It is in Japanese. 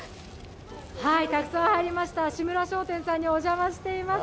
たくさん入りました、志村商店さんにお邪魔しています。